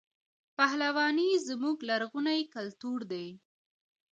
پهلواني زموږ لرغونی کلتور دی.